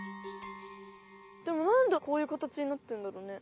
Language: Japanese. でもなんでこういうかたちになってんだろうね？